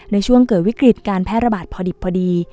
ในช่วงเกิดวิกฤตการแพร่ระบาดพอดิบพอดี